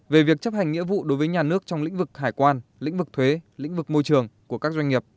về việc chấp hành nghĩa vụ đối với nhà nước trong lĩnh vực hải quan lĩnh vực thuế lĩnh vực môi trường của các doanh nghiệp